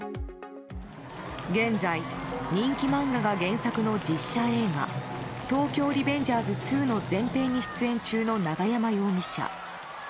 現在、人気漫画が原作の実写映画「東京リベンジャーズ２」の前編に出演中の永山容疑者。